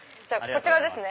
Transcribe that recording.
こちらですね！